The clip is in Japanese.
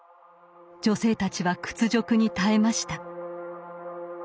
女性たちは屈辱に耐えました。